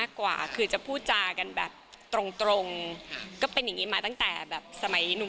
รับดอกจริงหยอกเล่น